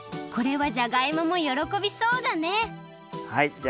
これはじゃがいももよろこびそうだねはい。